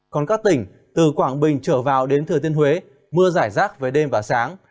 còn các tỉnh từ quảng bình trở vào đến thừa thiên huế mưa giải rác về đêm và sáng